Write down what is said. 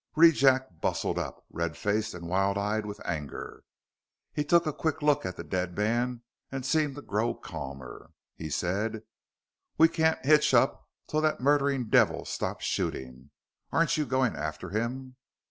Rejack bustled up, red faced and wild eyed with anger. He took a quick look at the dead man and seemed to grow calmer. He said, "We can't hitch up till that murdering devil stops shooting. Aren't you going after him?"